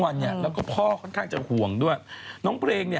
มาคุณว่าฉันดังถ่ายจุนี้